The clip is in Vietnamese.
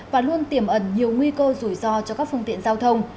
và luôn tiềm ẩn nhiều nguy cơ rủi ro cho các phương tiện giao thông